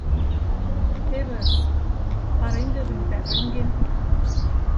— Тевысс, пареҥге гын пареҥге!